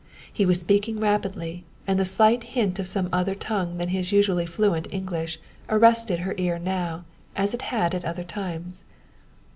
He was speaking rapidly, and the slight hint of some other tongue than his usually fluent English arrested her ear now, as it had at other times.